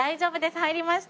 入りました。